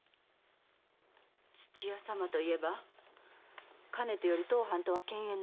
土屋様といえばかねてより当藩とは犬猿の間柄。